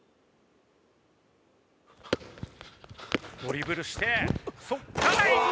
ドリブルしてそこからいった！